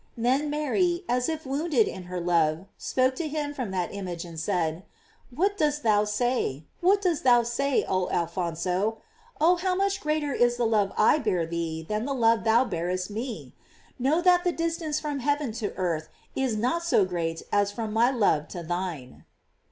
Then Mary, as if wounded in her love, spoke to him from that image and said: "What dost thou say — what dost thou say, oh Alphonso? Oh, how much greater is the love I bear thee than the love thou bearest me! Know that the dis tance from heaven to earth is not so great as from my love to thine."